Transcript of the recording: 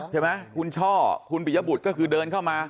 ใช่ไหมคุณช่อคุณปิยบุตรก็คือเดินเข้ามา